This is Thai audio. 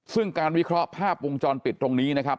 ซึ่งการวิเคราะห์ภาพวงจรปิดตรงนี้นะครับ